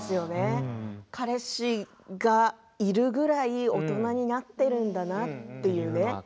彼氏がいるぐらい大人になってるんだなっていうね。